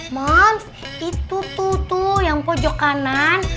mams itu tuh yang pojok kanan